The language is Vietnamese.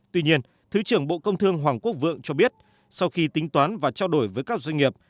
tuy nhiên thứ trưởng bộ công thương hoàng quốc vượng cho biết sau khi tính toán và trao đổi với các doanh nghiệp